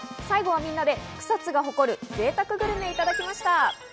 最後はみんなで草津が誇るぜいたくグルメをいただきました。